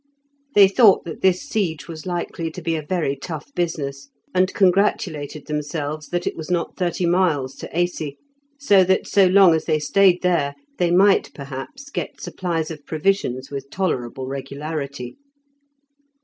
They thought that this siege was likely to be a very tough business, and congratulated themselves that it was not thirty miles to Aisi, so that so long as they stayed there they might, perhaps, get supplies of provisions with tolerable regularity.